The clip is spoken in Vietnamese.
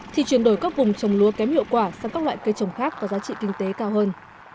thì chuyển đổi các vùng trồng lúa kém hiệu quả sang các loại cây trồng khác có giá trị kinh tế cao hơn